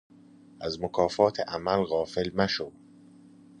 از مکافات عمل غافل مشو